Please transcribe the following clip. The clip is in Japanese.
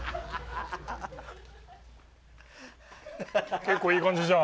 結構、いい感じじゃん。